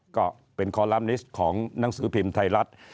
ก็เป็นคอลัมนิสต์ของหนังสือพิมพ์ไทยรัฐ